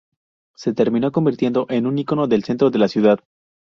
Se terminó convirtiendo en un ícono del centro de la ciudad.